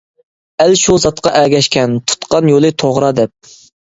ئەل شۇ زاتقا ئەگەشكەن، تۇتقان يولى توغرا دەپ.